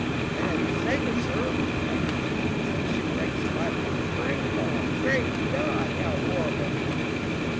A mad sailor, sir," cried the mate ," some ship wrecked survivor with his brain gone. Great God ! how horrible."